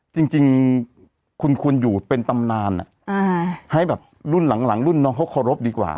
จริงคุณควรอยู่เป็นตำนานให้แบบรุ่นหลังรุ่นน้องเขาเคารพดีกว่า